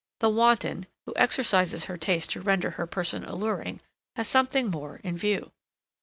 The wanton, who exercises her taste to render her person alluring, has something more in view.